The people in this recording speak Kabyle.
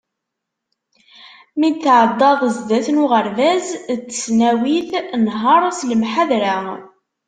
Mi d-tɛeddaḍ sdat n uɣerbaz d tesnawit, nher s lemḥadra.